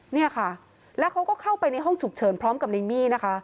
เนี่ยค่ะแล้วเขาก็เข้าไปในห้องฉุกเฉินพร้อมกับในมี่นะคะ